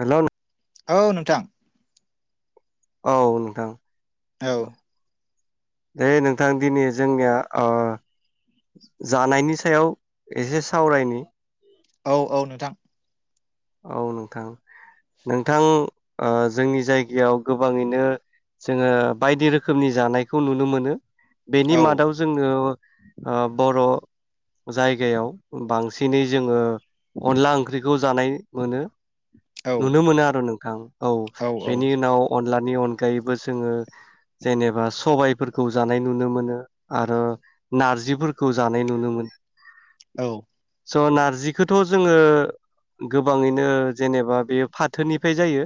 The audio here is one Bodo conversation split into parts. हेलौ नों‌ औ नोंथां। औ नोंथां। औ। दे नोंथां दिनै जोंनिया ओ जानायनि सायाव एसे सावरायनि। औ औ नोंथां। औ नोंथां नोंथां ओ जोंनि जायगायाव गोबाङैनो जोङो बायदि रोखोमनि जानायखौ नुनो मोनो। बेनि औ मादाव जोङो ओ बर' जायगायाव बांसिनै जोङो अनला ओंख्रिखौ जानाय मोनो औ नुनो मोनो आरो नोंथां औ बेनि उनाव अनला नि अनगायैबो जोङो जेनेबा सबायफोरखौ जानाय नुनो मोनो आरो नारजिफोरखौ जानाय नुनो मोनो औ स' नारजिखौथ' जोङो गोबाङैनो जेनेबा बेयो फाथोनिफ्राय जायो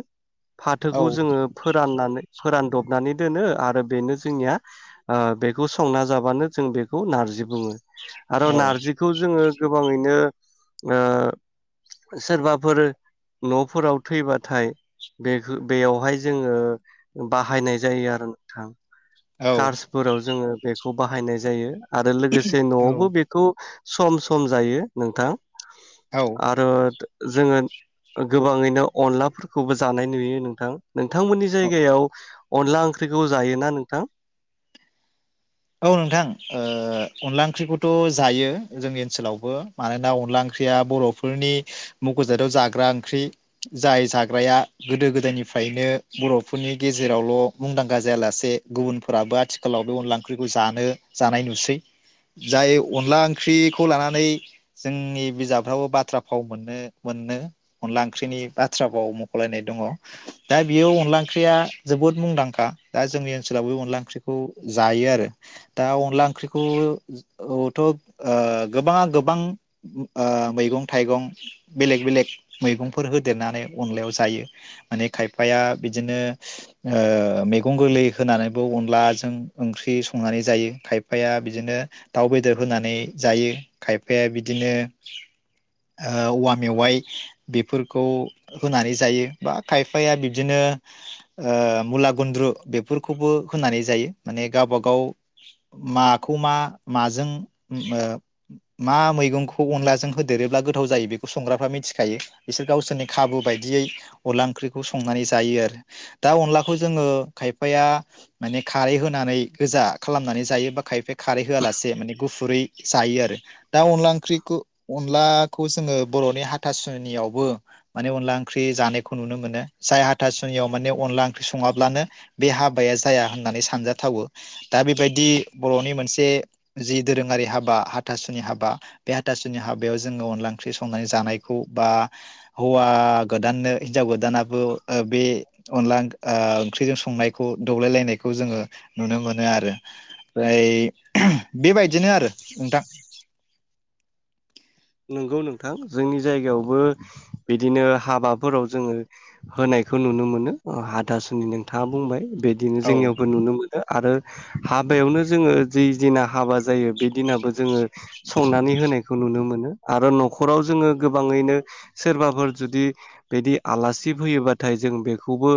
औ फाथोखौ जोङो फोराननानै फोरानदबनानै दोनो आरो बेनो जोंनिया बेखौ संना जाबानो जों बेखौ नारजि बुङो। आरो नारजिखौ जोङो गोबाङैनो ओ सोरबाफोर न'फोराव थैबाथायखौ बेयावहाय जोङो बाहायनाय जायो आरो नोंथां। कार्सफोराव जोङो बे खौ बाहायनाय जायो। आरो लोगोसे औ न'आवबो बेखौ सम सम जायो नोंथां। आरो जोङो गोबाङैनो अनलाफोरखौबो जानाय नुयो नोंथां। नोंथांमोननि जायगायाव अनला ओंख्रिखौ जायोना नोंथां? औ नोंथां अनला ओंख्रिखौथ' जायो जोंनि ओनसोलावबो मानोना अनला ओंख्रिया बर'फोरनि मुख'जादाव जाग्रा ओंख्रि जाय जाग्राया गोदो गोदायनिफ्रायनो बर'फोरनि गेजेरावल' मुंदांखा जायालासे गुबुनफोराबो आथिखालाव बे अनला ओ ओंख्रिखौ जानो जानाय नुसै जाय अनला ओंख्रिखौ लानानै जोंनि बिजाबफ्राबो बाथ्रा फाव मोननो मोनो अनला ओंख्रिनि बाथ्रा फाव मख'लायनाय दङ दा बेयो अनला ओंख्रिया जोबोद मुंदांखा दा जोंनि ओनसोलाव बे अनला ओंख्रिखौ जायो आरो। दा अनला ओंख्रिखौथ' ओ गोबाङा गोबां ओ मैगं थाइगं बेलेग बेलेग मैगंफोर होदेरनानै अनलायाव जायो माने खायफाया बिदिनो ओ मैगं गोरलै होनानैबो अनलाजों ओंख्रि स संनानै जायो खायफाया बिदिनो दाउ बेदर होनानै जायो खायफाया बिदिनो ओ औवा मेवाइ बेफोरखौ होनानै जायो बा खायफाया बिबदिनो मुला गुन्द्रु बेफोरखौबो होनानै जायो माने गावबा गाव गाव माखौ मा माजों मा मैगंखौ अनलाजों होदेरोब्ला गोथाव जायो बेखौ संग्राफ्रा मिथिखायो बिसोर गावसोरनि खाबु बायदियै अनला ओंख्रिखौ संनानै जायो आरो दा अनलाखौ जोङो खायफाया माने खारै होनानै गोजा खालामनानै जायोबा खायफाया खारै होआलासे माने गुफुरै जायो आरो दा अनला ओंख्रिखौ अनलाखौ जोङो बर'नि हाथासुनियावबो माने अनला ओंख्रि जानायखौ नुनो मोनो जाय हाथासुनियाव माने अनला ओंख्रि सङाब्लानो बे हाबाया जाया होननानै सानजाथावो। दा बेबायदि बर'नि मोनसे जि दोरोङारि हाबा हाथासुनि हाबा बे हाथासुनि हाबायाव जोङो अनला ओंख्रि संनानै जानायखौ बा हौवा गोदाननो हिनजाव गोदानाबो बे अनला ओंख्रिजों संनायखौ दौलायलायनायखौ जोङो नुनो मोनो आरो ओमफ्राय बेबायदिनो आरो नोंथां नंगौ नोंथां जोंनि जायगायावबो बिदिनो हाबाफोराव जोङो होनायखौ नुनो मोनो हाथासुनि नोंथाङा बुंबाय। बिदिनो औ जोंनियावबो नुनो मोनो। आरो हाबायावनो जोङो जि दिना हाबा जायो बे दिनाबो जोङो संनानै होनायखौ नुनो मोनो। आरो न'खराव जोङो गोबाङैनो सोरबाफोर जुदि बिदि आलासि फैयोबाथाय जों बेखौबो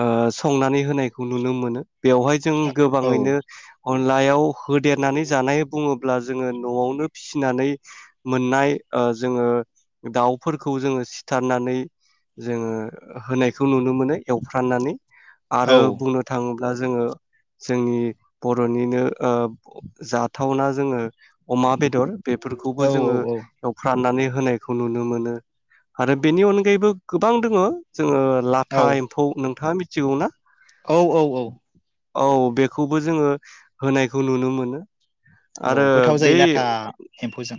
ओ संनानै होनायखौ नुनो मोनो। बेवहाय जों औ गोबाङैनो अनलायाव होदेरनानै जानाय बुङोब्ला जोङो न'आवनो फिसिनानै मोननाय जोङो दाउफोरखौ जोङो सिथारनानै जोङो होनायखौ नुनो मोनो एवफ्राननानै आरो औ बुंनो थाङोब्ला जोङो जोंनि बर'निनो जाथावना जोङो अमा बेदर बेफो औ जोङो औ एवफ्रामनानै होनायखौ नुनो मोनो आरो बेनि अनगायैबो गोबां दोङो। जोङो औ लाथा एम्फौ नोंथाङा मिथि सिगौ ना? औ औ औ। औ बेखौबो जोङो होनायखौ नुनो मोनो। औ आरो गोथाव जायो बै लाथा एम्फौजों।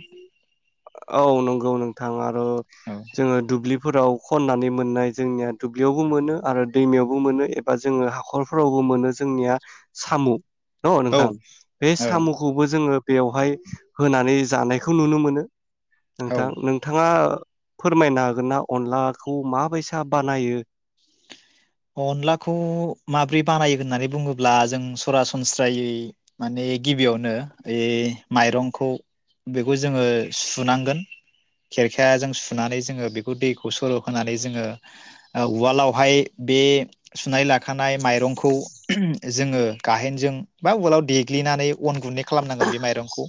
औ नंगौ नोंथाङा अ औ जोङो दुब्लि फोराव खननानै मोननाय जोंनिया दुब्लियावबो मोनो आरो दैमायावबो मोनो एबा जोङो हाखरफोरावबो मोनो जोंनिया साम'। न औ नोंथां बे औ सामुखौबो जोङो बेवहाय होनानै जानायखौ नुनो मोनो। औ नोंथां नोंथाङा फोरमायनो हागोन ना अनलाखौ माबैसा बानायो? अनलाखौ माब्रै बानायो होननानै बुङोब्ला जों सरासनस्रायै माने गिबियावनो ओइ माइरंखौ बेखौ जोङो सुनांगोन खेरखाजों सुनानै जोङो बेखौ दैखौ सर' होनोनानै जोङो ओ उवालावहाय बे सुनाय लाखानाय माइरंखौ जोङो गाहेनजों बा उवालाव देग्लिनानै अन गुन्दै खालामनांगोन बे माइरंखौ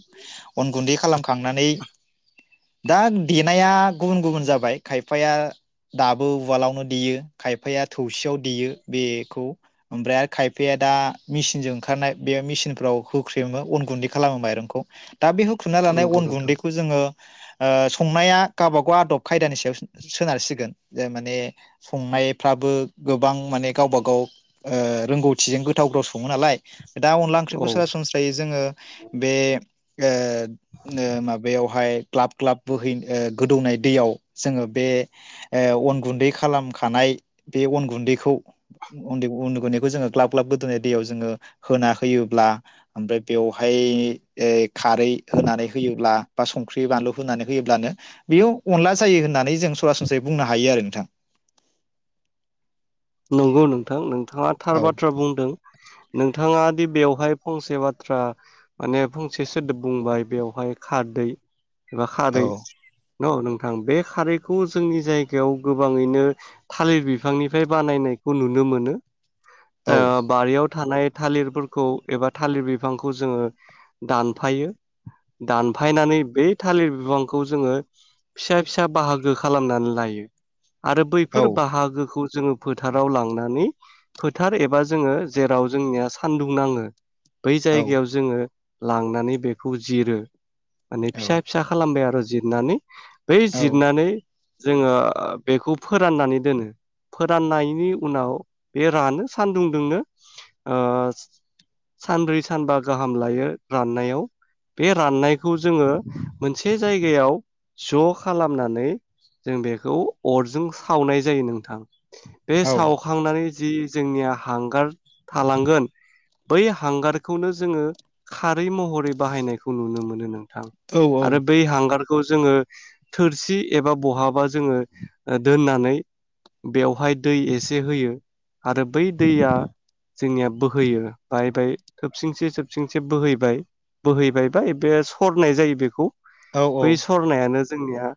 अन गुन्दै खालामखांनानै दा देनाया गुबुन गुबुन जाबाय खायफाया दाबो उवालावनो देयो खायफाया थौसियाव देयो बेखौ ओमफ्राय आरो खायफाया दा मिसिनजों ओंखारनाय बे मिसिनफ्राव होख्रेमो अन गुन्दै खालामो माइरंखौ। दा बे होख्रुमना लानाय नंगौ अन नोंथां गुन्दैखौ जोङो ओ संनाया गाबा गाव आदब खायदानि सायाव सो सोनारसिगोन जे माने संनायफ्राबो गोबां माने गावबा गाव ओ रोंगौथिजों गोथाव गोथाव सङो नालाय। दा अनला ओंख्रिखौ औ सरासनस्रायै जोङो बे ओ नो माबायावहाय ग्लाब ग्लाब बोहै ओ गोदौनाय दैयाव जोङो बे ओ अन गुन्दै खालामखानाय बे अन गुन्दैखौ उन्दै अन गुन्दैखौ जोङो ग्लाब ग्लाब गोदोनाय दैयाव जोङो होना होयोब्ला ओमफाय बेवहाय खारै होनानै होयोब्ला बा संख्रि बानलु होनानै होयोब्लानो बेयो अनला जायो होननानै जों सरासनस्रायै बुंनो हायो आरो नोंथां। नोंगौ नोंथां नों नोंथाङा थार औ बाथ्रा बुंदों नोंथाङा दि बेवहाय फंसे बाथ्रा माने फंसे सोदोब बुंबाय बेवहाय खारदै एबा औ खारै न' नों थां बे खारैखौ जोंनि जायगायाव गोबाङैनो थालिर बिफांनिफाय बानायनायखौ नुनो मोनो। औ ओ बारियाव थानाय थालिरफोरखौ एबा थालिर बिफांखौ जोङो दानफायो दानफायनानै बै थालिर बिफांखौ जोङो फिसा फिसा बाहागो खालामनानै लायो। आरो औ बैफोर बाहागोखौ जोङो फोथाराव लांनानै फोथार एबा जोङो जेराव जोंनिया सान्दुं नाङो बै औ जायगायाव जोङो लांनानै बेखौ जिरो। माने औ फिसा फिसा खालामबाय आरो जिरनानै बै औ जिरनानै जोङो बेखौ फोराननानै दोनो। फोराननायनि उनाव बे रानो सानदुं दोंनो ओ सानब्रै सानबा गाहाम लायो राननायाव बे राननायखौ जोङो मोनसे जायगायाव ज' खालामनानै जों बेखौ अरजों सावनाय जायो नोंथां। बे औ सावखांनानै जि जोंनिया हांगार थालांगोन बै हांगारखौनो जोङो खारै महरै बाहायनायखौ नुनो मोनो नों थां आरो औ बै हांगार खौ जोङो थोरसि एबा बहाबा जोङो ओ दोननानै बेवहाय दै एसे होयो आरो बै दैया जोंनिया बोहैयो बाहायबाय थोबसिंसे थोबसिंसे बोहैबाय बोहैबाय बा बे सरनाय जायो बेखौ औ बै सरनायानो जोंनिया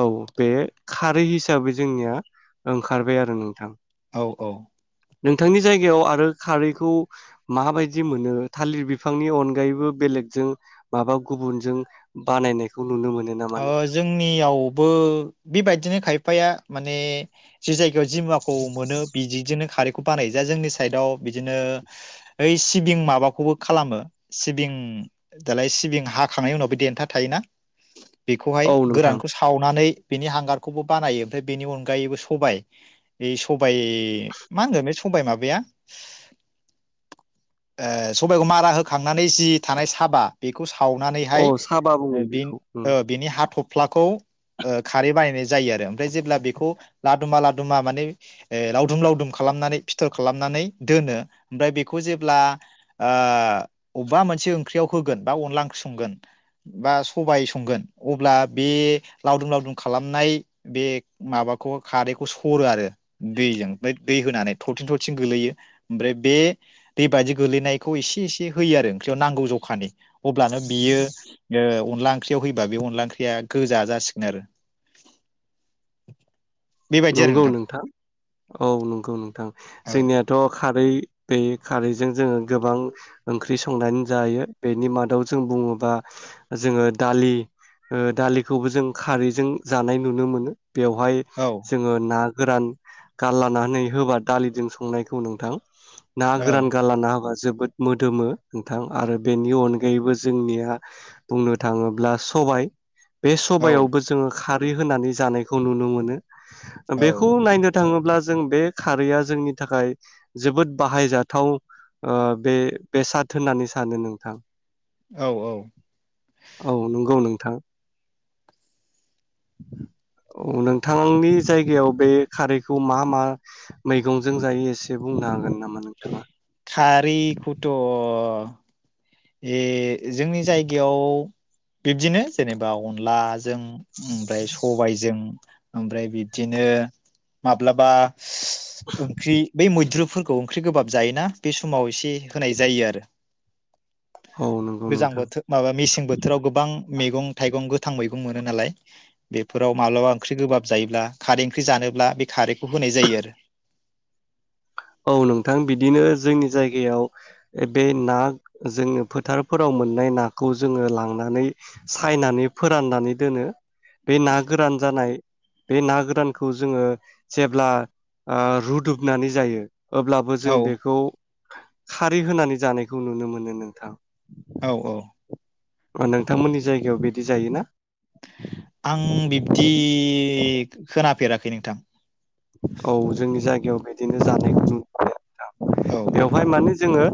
औ बे खारै हिसाबै जोंनिया ओंखारबाय आरो नोंथां औ औ नोंथांनि जायगायाव आरो खारैखौ माबायदि मोनो थालिर बिफांनि अनगायैबो बेलेगजों माबा गुबुनजों बानायनायखौ नुनो मोनो नामा ओ नोंथां जोंनियावबो बेबायदिनो खायफाया माने जे जाय जि माखौ मोनो बिजिजोंनो खारै ख बानाय जा जोंनि साइदाव बिदिनो ओइ सिबिं माबाखौबो खालामो सिबिं दालाय सिबिं हाखांनायनि उनावबो देन्था थायोना! बेखौहाय औ नोंथां गोरानखौ सावनानै- बिनि हांगारखौबो बानायो ओमफ्राय बेनि अनगायैबो सबाय बे सबाय मा होनगोन बे सबबाय माबाया सबाइखौ मारा होखांनानै जि थानाय साबा बेखौ। सावनानैहाय औ सा बुङो ओ बेखौ। बे बाथ्राखौ ओ खारै बाहायनाय जायो आरो आमबारि जेब्ला बेखौ लादुमा लादुमा माने ओ लावदुम लावदुम खालामनानै फिथर खालामनानै दोनो आमफ्राय बेखौ जेब्ला ओअबा मोनसे ओंख्रि आव होगोन बा अनला ओंख्रि सोंगोन बा सबाइ स गोन अब्ला बे लावदुं लावदुं खालामनाय बे माबाखौ खारैखौ सरो आरो दैजों ओमफ्राय दै होनानै थरथिं थरथिं गोलैयो ओमफ्राय बे दैबादि गोलैनायखौ एसे एसे होयो आरो ओंख्रियाव नांगौ जखानि अब्लानो बियो ओ अनला ओंख्रियाव होयोबा बे अनला ओंख्रिया गोजा जासिगोन आरो बेबायदि आरो नंगौ नोंथां औ नंगौ नोंथां औ जोंनियाथ' खारै बे खारैजों जोङो गोबां ओंख्रि संनानै जायो बेनि मादाव जों बुङोबा जोङो दालि दालिखौबो जों खारैजों जानाय नुनो मोनो। बेवहाय औ ना गोरान गारलानानै होबा दालिजों संनायखौ नोंथां ना औ गोरान गारलाना होबा जोबोद मोदोमो नोंथां आरो बेनि अनगायैबो जोंनिया बुंनो थाङोब्ला सबाय बे औ सबायावबो जोङो खाद बि होनानै जानायखौ नुनो मोनो औ बेखौ नायनो थाङो अब्ला जों बे खारैया जोंनि थाखाय औ औ औ नंगौ नोंथां। औ नोंथांनि जायगायाव बे खारैखौ मा मा मैगंजों जायो एसे बुंनो हागोन नामा नोंथाङा? खारिखौथ ए जोंनि जायगायाव बिब्दिनो जेनेबा अनला जों ओमबाय सबायजों ओमफ्राय बिब्दिनो माब्लाबा ओंख्रि बै मैद्रुफोर खौ ओंख्रि गोबाब जायोना बे समाव एसे होनाय जायो आरो औ नंगौ गोजां नोंथां बोथोर माबा मेसें बोथोराव गोबां मैगं थाइगं गोथां मैगं मोनो नालाय बेफोराव माब्लाबा ओंख्रि गोबाब जायोब्ला खारै ओंख्रि जानोब्ला बे खारैखौ होनाय जायो आरो औ नोंथां बिदिनो जोंनि जायगायाव ओ बे ना जोङो फोथारफोराव मोननाय नाखौ जोङो लांनानै सायनानै फोराननानै दोनो बे ना गोरान जानाय बे ना गोरानखौ जोङो जेब्ला आ रुदुबनानै जायो अब्लाबो जों औ बेखौ खारै होनानै जानायखौ नुनो मोनो नोंथां। औ औ। नोंथांमोननि जायगायाव बेदि जायोना? आं बिब्दि खो-खोना फेराखै नोंथां। औ जोंनि जायगायाव बेदिनो जानायखौ औ [unintelligible] बेवहाय माने जोङो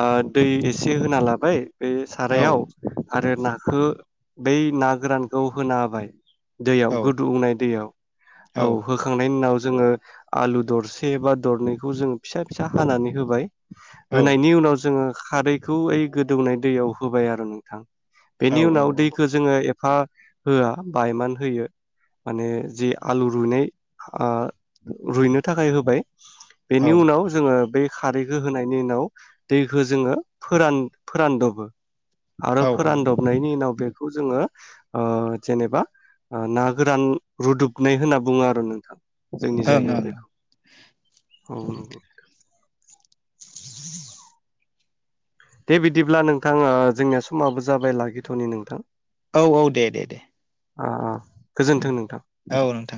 ओ दै एसे होना लाबाय बे औ सारायाव आरो ना खो बै ना गोरानखौ होना होबाय। दैयाव औ गोदौनाय दैयाव औ होखांनायनि उनाव जोङो आलु दरसे बा दरनैखौ जोङो फिसा फिसा हानानै होबाय। औ होनायनि उनाव जोङो खारैखौ ओइ गोदौनाय दैयाव होबाय आरो नोंथां। औ बेनि उनाव दैखो जोङो ए खा होआ बायमान होयो माने जि आलु रुइनाय आ रु-रुइनो थाखाय होबाय। औ बेनि उनाव जोङो बै खारैखौ होनायनि उनाव दैखौ जोङो फोरान फोरानदबो आरो फोरानदबनायनि उनाव बेखौ जोङो ओ जेनेबा ना गोरान रुदुबनाय होनना बुङो आरो नोंथां जोंनि ओं जायगायाव ओं बेखौ औ नंगौ दे बिदिब्ला नोंथां ओ जोंनिया समाबो जाबाय लागिथ'नि नोंथां औ औ दे दे दे आ आ गोजोन्थों नोंथां औ नोंथां